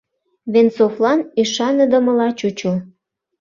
Венцовлан ӱшаныдымыла чучо.